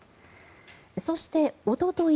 そして、おととい